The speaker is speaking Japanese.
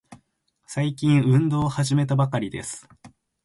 最近、運動を始めたばかりです。